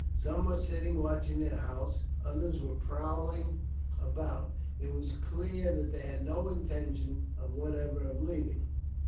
Some were sitting watching the house; others were prowling about. It was clear that they had no intention whatever of leaving.